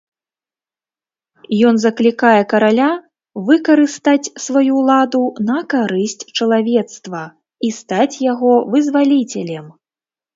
Ён заклікае караля выкарыстаць сваю ўладу на карысць чалавецтва і стаць яго вызваліцелем.